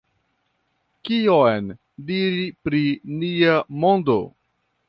Kion diri pri nia mondo?